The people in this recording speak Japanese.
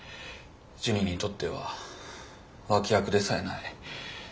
ジュニにとっては脇役でさえない。